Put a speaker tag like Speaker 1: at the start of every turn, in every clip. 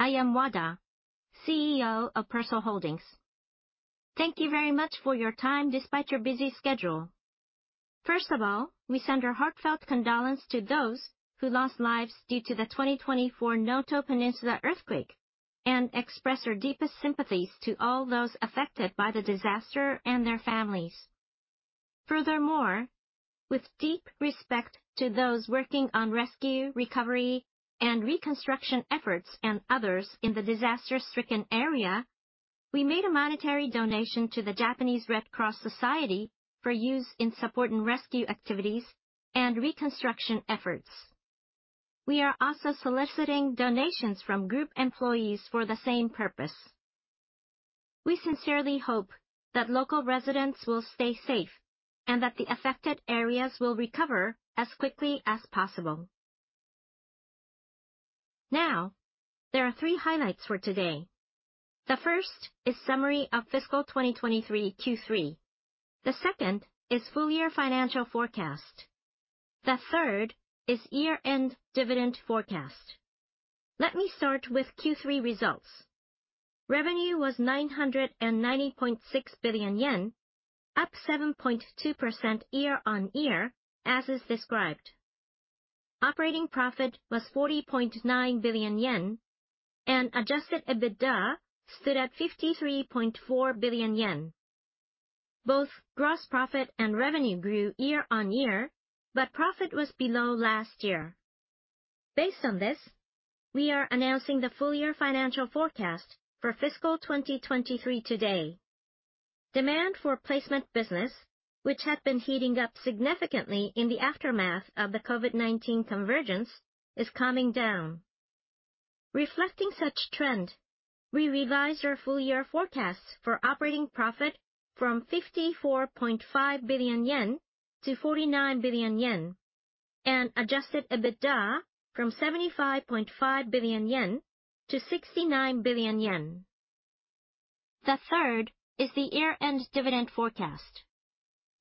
Speaker 1: Hello, I am Wada, CEO of PERSOL Holdings. Thank you very much for your time despite your busy schedule. First of all, we send our heartfelt condolences to those who lost lives due to the 2024 Noto Peninsula earthquake, and express our deepest sympathies to all those affected by the disaster and their families. Furthermore, with deep respect to those working on rescue, recovery, and reconstruction efforts and others in the disaster-stricken area, we made a monetary donation to the Japanese Red Cross Society for use in supporting rescue activities and reconstruction efforts. We are also soliciting donations from group employees for the same purpose. We sincerely hope that local residents will stay safe and that the affected areas will recover as quickly as possible. Now, there are three highlights for today. The first is a summary of fiscal 2023 Q3. The second is full-year financial forecast. The third is year-end dividend forecast. Let me start with Q3 results. Revenue was 990.6 billion yen, up 7.2% year-over-year as is described. Operating profit was 40.9 billion yen, and adjusted EBITDA stood at 53.4 billion yen. Both gross profit and revenue grew year-over-year, but profit was below last year. Based on this, we are announcing the full-year financial forecast for fiscal 2023 today. Demand for placement business, which had been heating up significantly in the aftermath of the COVID-19 convergence, is calming down. Reflecting such trend, we revise our full-year forecasts for operating profit from 54.5 billion yen to 49 billion yen, and adjusted EBITDA from 75.5 billion yen to 69 billion yen. The third is the year-end dividend forecast.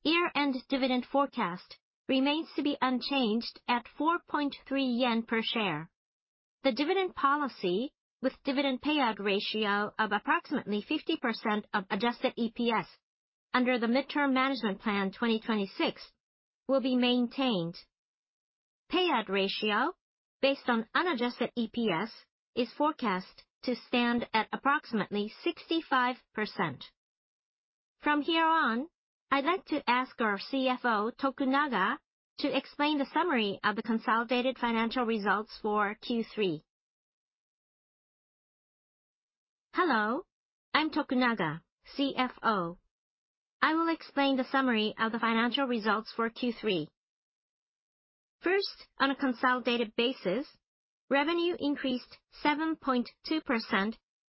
Speaker 1: Year-end dividend forecast remains to be unchanged at 4.3 yen per share. The dividend policy, with dividend payout ratio of approximately 50% of Adjusted EPS under the Midterm Management Plan 2026, will be maintained. Payout ratio, based on unadjusted EPS, is forecast to stand at approximately 65%. From here on, I'd like to ask our CFO, Tokunaga, to explain the summary of the consolidated financial results for Q3. Hello, I'm Tokunaga, CFO. I will explain the summary of the financial results for Q3. First, on a consolidated basis, revenue increased 7.2%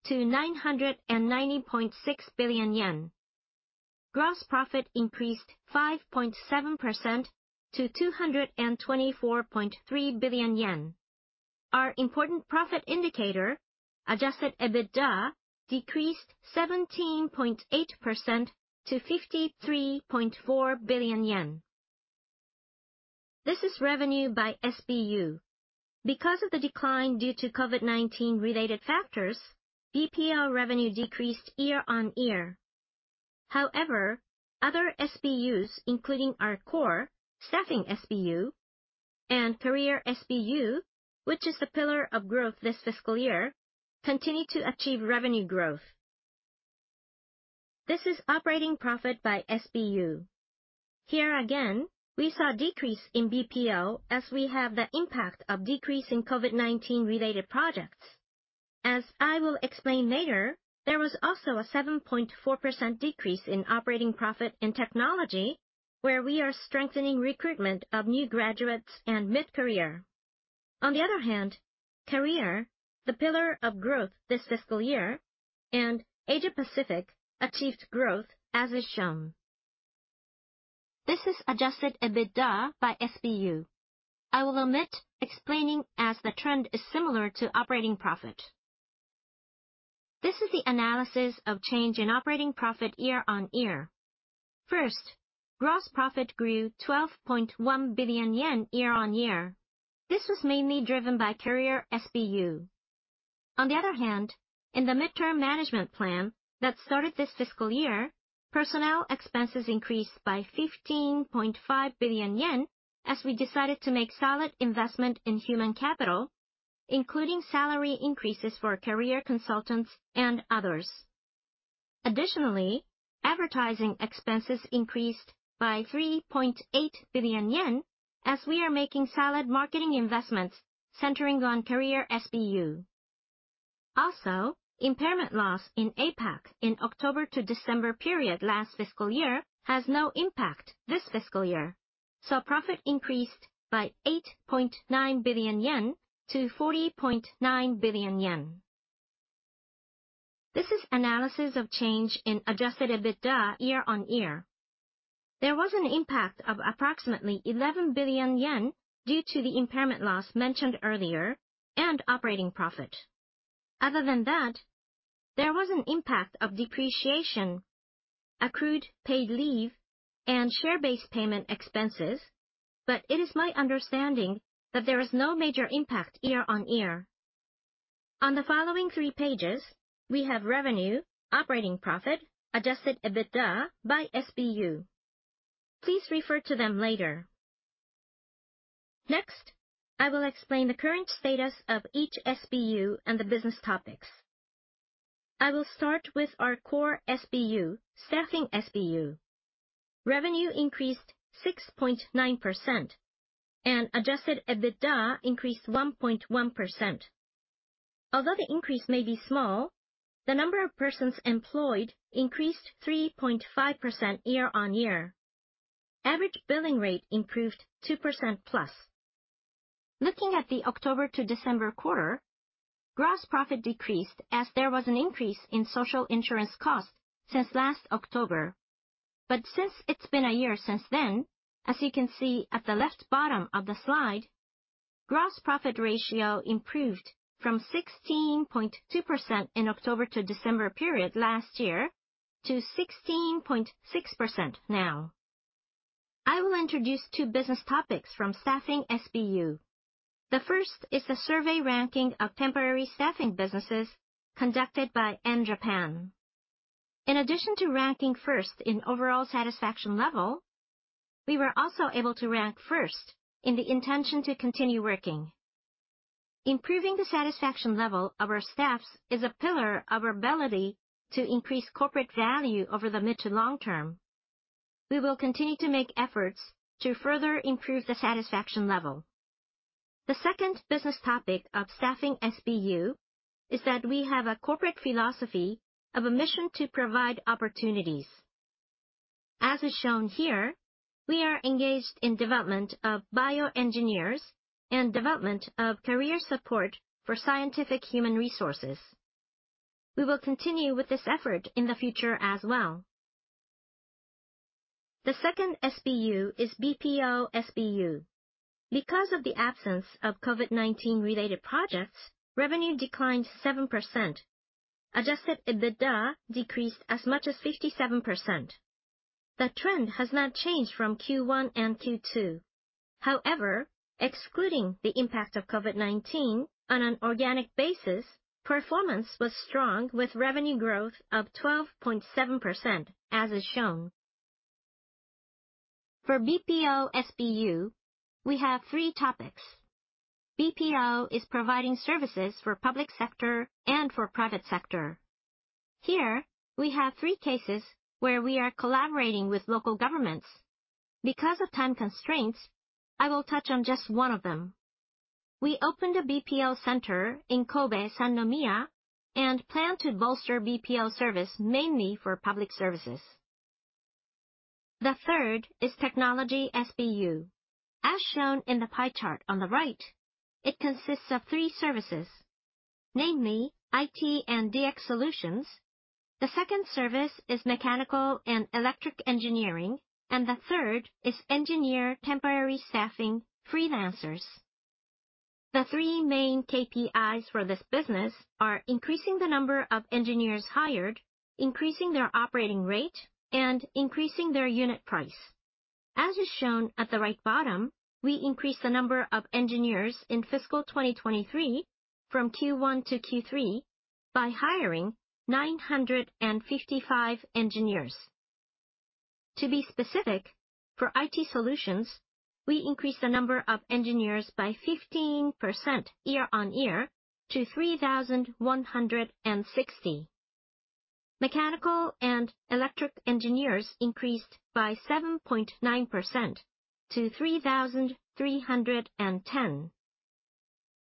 Speaker 1: to 990.6 billion yen. Gross profit increased 5.7% to 224.3 billion yen. Our important profit indicator, Adjusted EBITDA, decreased 17.8% to 53.4 billion yen. This is revenue by SBU. Because of the decline due to COVID-19-related factors, BPO revenue decreased year-on-year. However, other SBUs, including our core Staffing SBU and Career SBU, which is the pillar of growth this fiscal year, continue to achieve revenue growth. This is operating profit by SBU. Here again, we saw a decrease in BPO as we have the impact of decreasing COVID-19-related projects. As I will explain later, there was also a 7.4% decrease in operating profit in Technology, where we are strengthening recruitment of new graduates and mid-career. On the other hand, Career, the pillar of growth this fiscal year, and Asia Pacific achieved growth as is shown. This is Adjusted EBITDA by SBU. I will omit explaining as the trend is similar to operating profit. This is the analysis of change in operating profit year-on-year. First, gross profit grew 12.1 billion yen year-on-year. This was mainly driven by Career SBU. On the other hand, in the midterm management plan that started this fiscal year, personnel expenses increased by 15.5 billion yen as we decided to make solid investment in human capital, including salary increases for Career consultants and others. Additionally, advertising expenses increased by 3.8 billion yen as we are making solid marketing investments centering on Career SBU. Also, impairment loss in APAC in October to December period last fiscal year has no impact this fiscal year, so profit increased by 8.9 billion yen to 40.9 billion yen. This is analysis of change in Adjusted EBITDA year-on-year. There was an impact of approximately 11 billion yen due to the impairment loss mentioned earlier and operating profit. Other than that, there was an impact of depreciation, accrued paid leave, and share-based payment expenses, but it is my understanding that there is no major impact year-on-year. On the following three pages, we have revenue, operating profit, adjusted EBITDA by SBU. Please refer to them later. Next, I will explain the current status of each SBU and the business topics. I will start with our core SBU, Staffing SBU. Revenue increased 6.9%, and adjusted EBITDA increased 1.1%. Although the increase may be small, the number of persons employed increased 3.5% year-on-year. Average billing rate improved 2%+. Looking at the October to December quarter, gross profit decreased as there was an increase in social insurance costs since last October, but since it's been a year since then, as you can see at the left bottom of the slide, gross profit ratio improved from 16.2% in October to December period last year to 16.6% now. I will introduce two business topics from Staffing SBU. The first is the survey ranking of temporary staffing businesses conducted by en-japan. In addition to ranking first in overall satisfaction level, we were also able to rank first in the intention to continue working. Improving the satisfaction level of our staffs is a pillar of our ability to increase corporate value over the mid- to long-term. We will continue to make efforts to further improve the satisfaction level. The second business topic of Staffing SBU is that we have a corporate philosophy of a mission to provide opportunities. As is shown here, we are engaged in development of bioengineers and development of Career support for scientific human resources. We will continue with this effort in the future as well. The second SBU is BPO SBU. Because of the absence of COVID-19-related projects, revenue declined 7%. Adjusted EBITDA decreased as much as 57%. The trend has not changed from Q1 and Q2. However, excluding the impact of COVID-19 on an organic basis, performance was strong with revenue growth of 12.7% as is shown. For BPO SBU, we have three topics. BPO is providing services for public sector and for private sector. Here, we have three cases where we are collaborating with local governments. Because of time constraints, I will touch on just one of them. We opened a BPO center in Kobe, Sannomiya, and plan to bolster BPO service mainly for public services. The third is Technology SBU. As shown in the pie chart on the right, it consists of three services, namely IT and DX solutions, the second service is mechanical and electric engineering, and the third is engineer temporary staffing freelancers. The three main KPIs for this business are increasing the number of engineers hired, increasing their operating rate, and increasing their unit price. As is shown at the right bottom, we increased the number of engineers in fiscal 2023 from Q1 to Q3 by hiring 955 engineers. To be specific, for IT solutions, we increased the number of engineers by 15% year-on-year to 3,160. Mechanical and electric engineers increased by 7.9% to 3,310.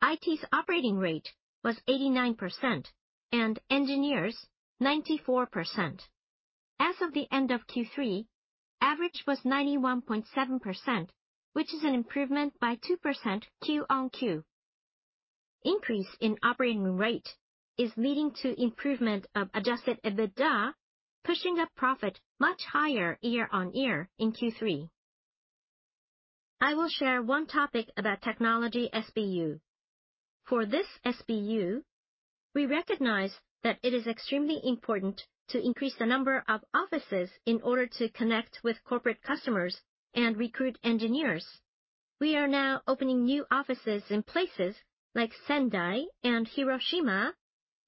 Speaker 1: IT's operating rate was 89%, and engineers' 94%. As of the end of Q3, average was 91.7%, which is an improvement by 2% Q-on-Q. Increase in operating rate is leading to improvement of Adjusted EBITDA, pushing up profit much higher year-on-year in Q3. I will share one topic about Technology SBU. For this SBU, we recognize that it is extremely important to increase the number of offices in order to connect with corporate customers and recruit engineers. We are now opening new offices in places like Sendai and Hiroshima,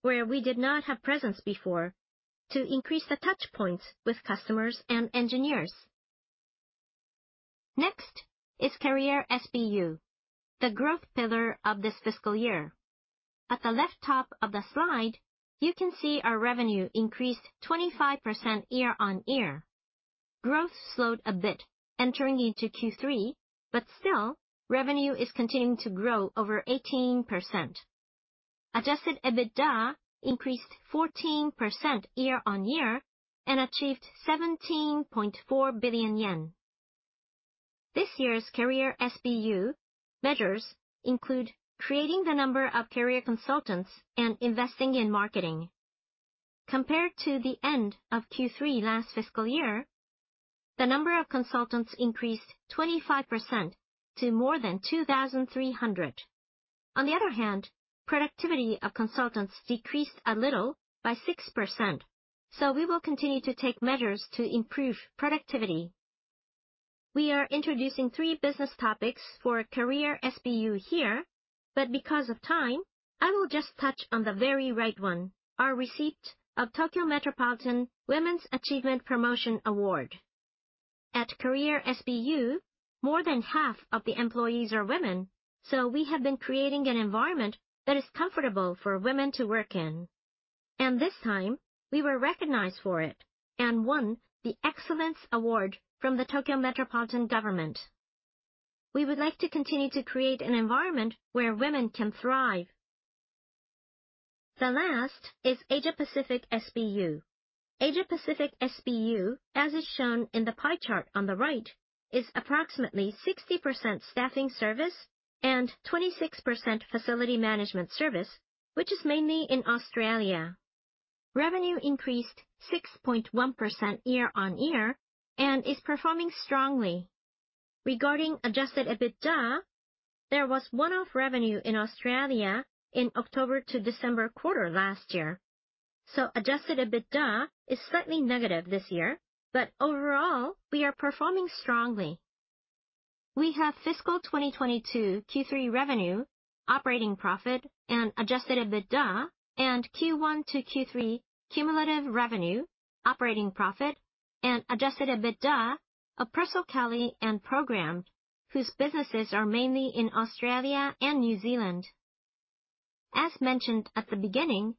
Speaker 1: where we did not have presence before, to increase the touchpoints with customers and engineers. Next is Career SBU, the growth pillar of this fiscal year. At the left top of the slide, you can see our revenue increased 25% year-on-year. Growth slowed a bit entering into Q3, but still, revenue is continuing to grow over 18%. Adjusted EBITDA increased 14% year-on-year and achieved 17.4 billion yen. This year's Career SBU measures include creating the number of Career consultants and investing in marketing. Compared to the end of Q3 last fiscal year, the number of consultants increased 25% to more than 2,300. On the other hand, productivity of consultants decreased a little by 6%, so we will continue to take measures to improve productivity. We are introducing three business topics for Career SBU here, but because of time, I will just touch on the very right one, our receipt of Tokyo Metropolitan Women's Achievement Promotion Award. At Career SBU, more than half of the employees are women, so we have been creating an environment that is comfortable for women to work in. This time, we were recognized for it and won the Excellence Award from the Tokyo Metropolitan Government. We would like to continue to create an environment where women can thrive. The last is Asia Pacific SBU. Asia Pacific SBU, as is shown in the pie chart on the right, is approximately 60% staffing service and 26% facility management service, which is mainly in Australia. Revenue increased 6.1% year-over-year and is performing strongly. Regarding adjusted EBITDA, there was one-off revenue in Australia in October to December quarter last year. So adjusted EBITDA is slightly negative this year, but overall, we are performing strongly. We have fiscal 2022 Q3 revenue, operating profit and adjusted EBITDA, and Q1 to Q3 cumulative revenue, operating profit, and adjusted EBITDA, PERSOLKELLY and Programmed whose businesses are mainly in Australia and New Zealand. As mentioned at the beginning,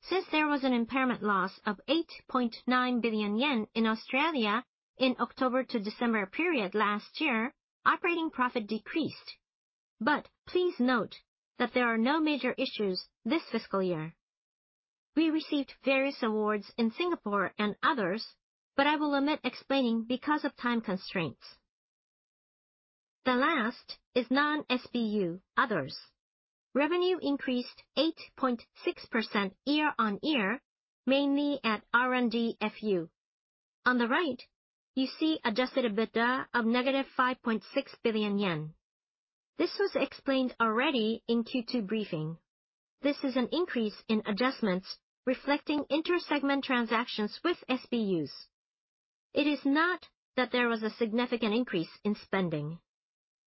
Speaker 1: since there was an impairment loss of 8.9 billion yen in Australia in October to December period last year, operating profit decreased. But please note that there are no major issues this fiscal year. We received various awards in Singapore and others, but I will omit explaining because of time constraints. The last is non-SBU, others. Revenue increased 8.6% year-over-year, mainly at R&D/FU. On the right, you see Adjusted EBITDA of -5.6 billion yen. This was explained already in Q2 briefing. This is an increase in adjustments reflecting inter-segment transactions with SBUs. It is not that there was a significant increase in spending.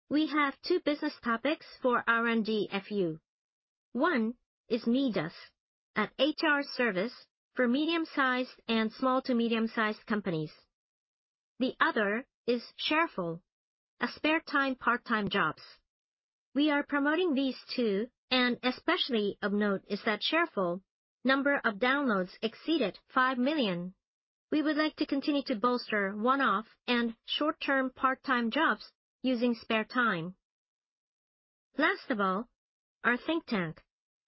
Speaker 1: We have two business topics for R&D/FU. One is MIIDAS, an HR service for medium-sized and small-to-medium-sized companies. The other is Sharefull, a spare-time part-time job. We are promoting these two and especially of note is that Sharefull, the number of downloads exceeded 5 million. We would like to continue to bolster one-off and short-term part-time jobs using spare time. Last of all, our think tank,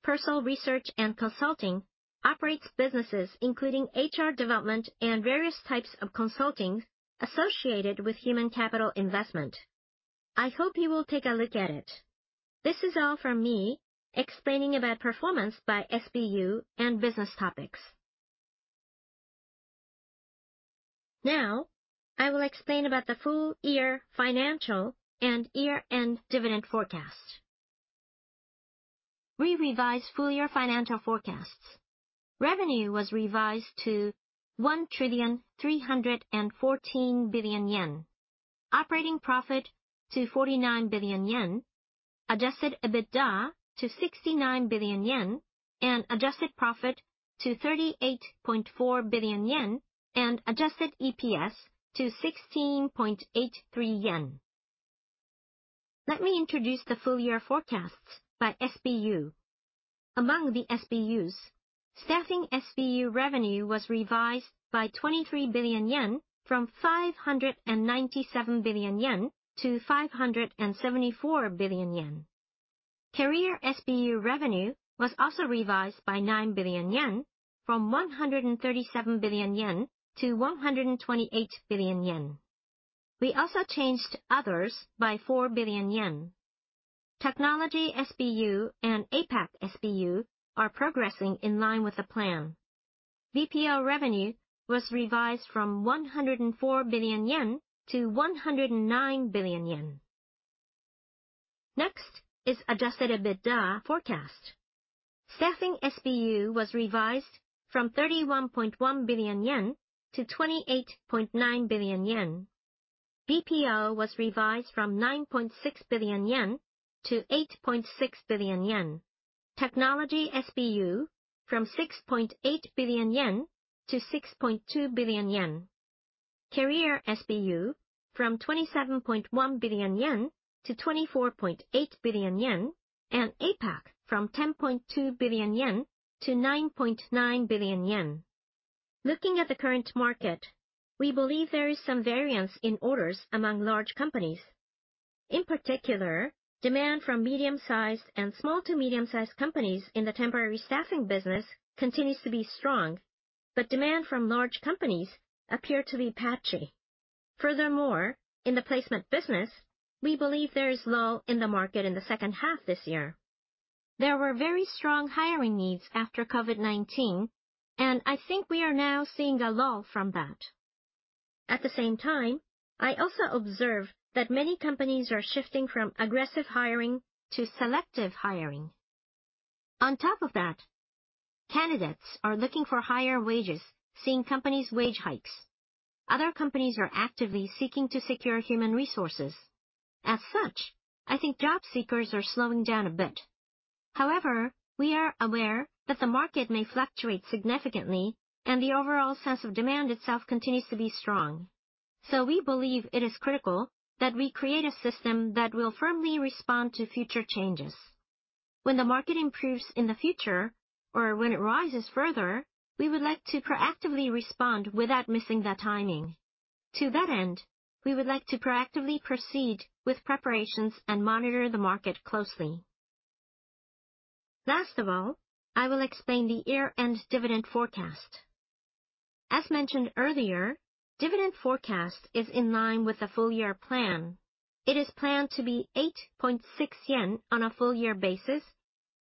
Speaker 1: PERSOL Research and Consulting, operates businesses including HR development and various types of consulting associated with human capital investment. I hope you will take a look at it. This is all from me explaining about performance by SBU and business topics. Now, I will explain about the full-year financial and year-end dividend forecast. We revised full-year financial forecasts. Revenue was revised to 1,314 billion yen, operating profit to 49 billion yen, adjusted EBITDA to 69 billion yen, and adjusted profit to 38.4 billion yen, and adjusted EPS to 16.83 yen. Let me introduce the full-year forecasts by SBU. Among the SBUs, Staffing SBU revenue was revised by 23 billion yen from 597 billion yen to 574 billion yen. Career SBU revenue was also revised by 9 billion yen from 137 billion yen to 128 billion yen. We also changed others by 4 billion yen. Technology SBU and APAC SBU are progressing in line with the plan. BPO revenue was revised from 104 billion yen to 109 billion yen. Next is adjusted EBITDA forecast. Staffing SBU was revised from 31.1 billion yen to 28.9 billion yen. BPO was revised from 9.6 billion yen to 8.6 billion yen. Technology SBU from 6.8 billion yen to 6.2 billion yen. Career SBU from 27.1 billion yen to 24.8 billion yen, and APAC from 10.2 billion yen to 9.9 billion yen. Looking at the current market, we believe there is some variance in orders among large companies. In particular, demand from medium-sized and small-to-medium-sized companies in the temporary staffing business continues to be strong, but demand from large companies appear to be patchy. Furthermore, in the placement business, we believe there is lull in the market in the second half this year. There were very strong hiring needs after COVID-19, and I think we are now seeing a lull from that. At the same time, I also observe that many companies are shifting from aggressive hiring to selective hiring. On top of that, candidates are looking for higher wages seeing companies' wage hikes. Other companies are actively seeking to secure human resources. As such, I think job seekers are slowing down a bit. However, we are aware that the market may fluctuate significantly and the overall sense of demand itself continues to be strong. So we believe it is critical that we create a system that will firmly respond to future changes. When the market improves in the future, or when it rises further, we would like to proactively respond without missing the timing. To that end, we would like to proactively proceed with preparations and monitor the market closely. Last of all, I will explain the year-end dividend forecast. As mentioned earlier, dividend forecast is in line with the full-year plan. It is planned to be 8.6 yen on a full-year basis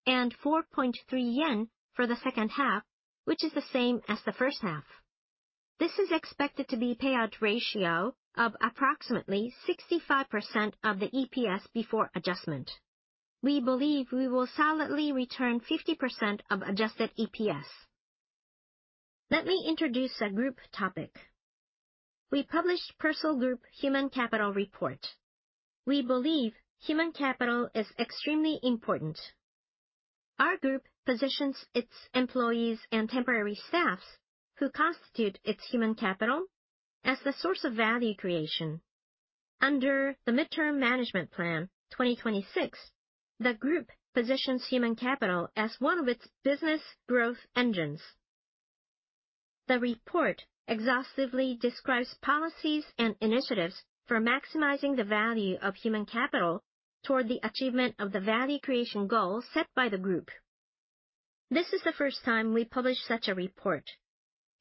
Speaker 1: and 4.3 yen for the second half, which is the same as the first half. This is expected to be a payout ratio of approximately 65% of the EPS before adjustment. We believe we will solidly return 50% of adjusted EPS. Let me introduce a group topic. We published PERSOL Group Human Capital Report. We believe human capital is extremely important. Our group positions its employees and temporary staff who constitute its human capital as the source of value creation. Under the Midterm Management Plan 2026, the group positions human capital as one of its business growth engines. The report exhaustively describes policies and initiatives for maximizing the value of human capital toward the achievement of the value creation goal set by the group. This is the first time we publish such a report.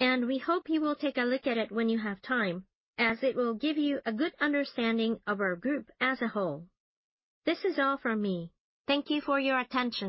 Speaker 1: We hope you will take a look at it when you have time, as it will give you a good understanding of our group as a whole. This is all from me. Thank you for your attention.